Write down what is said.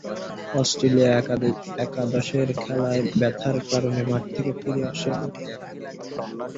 Australia একাদশের খেলায়ও ব্যথার কারণে মাঠ থেকে ফিরে আসেন।